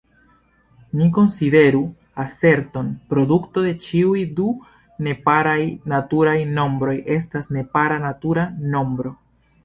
Ni konsideru aserton: "Produto de ĉiuj du neparaj naturaj nombroj estas nepara natura nombro.